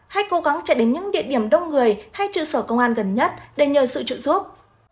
hãy cố gắng chạy đến những địa điểm đông người hay trụ sở công an gần nhất để nhờ sự trợ giúp